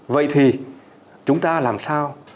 vậy thì chúng ta làm sao